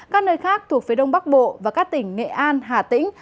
các nơi khác thuộc phía đông bắc bộ và các tỉnh nghệ an hà tĩnh